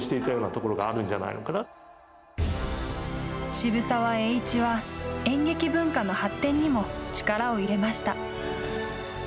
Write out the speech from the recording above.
渋沢栄一は演劇文化の発展にも力を入れました。